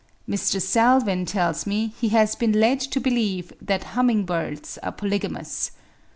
Mr. Salvin tells me he has been led to believe that humming birds are polygamous.